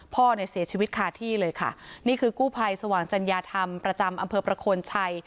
พ่อเนี่ยเสียชีวิตคาที่เลยค่ะนี่คือกู้ภัยสว่างจัญญาธรรมประจำอำเภอประโคนชัย